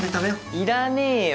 いらねえよ。